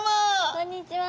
こんにちは。